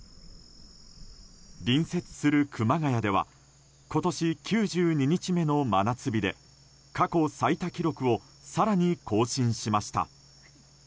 隣接する熊谷では今年９２日目の真夏日で過去最多記録を更に更新しました。